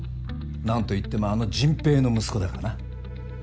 何といってもあの迅平の息子だからな。